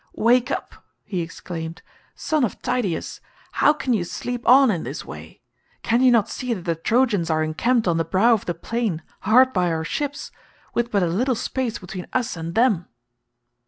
"Wake up," he exclaimed, "son of Tydeus. How can you sleep on in this way? Can you not see that the Trojans are encamped on the brow of the plain hard by our ships, with but a little space between us and them?"